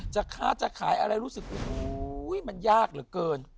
จะค้าจะขายอะไรรู้สึกโอ้โหมันยากเหลือเกิน